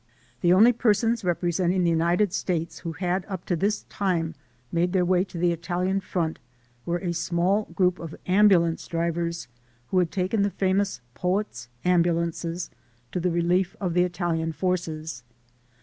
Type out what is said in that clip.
The only persons representing the United States who had up to this time made their way to the Italian front were a small group of ambulance drivers, who had taken the famous Poets' Ambulances to the relief of the Italian forces.